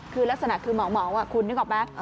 คือลักษณะคือเหมาคุณนึกออกไหม